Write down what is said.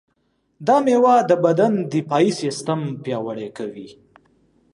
دا مېوه د بدن دفاعي سیستم پیاوړی کوي.